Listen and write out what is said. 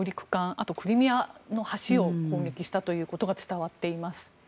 あとクリミアの橋を攻撃したということが伝わっています。